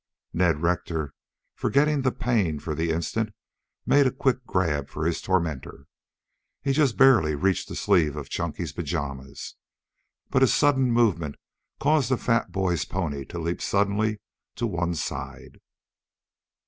Ned Rector, forgetting the pain for the instant, made a quick grab for his tormentor. He just barely reached the sleeve of Chunky's pajamas. But his sudden movement caused the fat boy's pony to leap suddenly to one side.